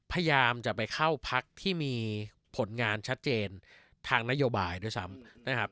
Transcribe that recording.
พยายามจะไปเข้าพักที่มีผลงานชัดเจนทางนโยบายด้วยซ้ำนะครับ